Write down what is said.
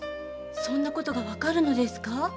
そんなことがわかるのですか？